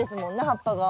葉っぱが。